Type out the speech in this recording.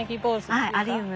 はいアリウム。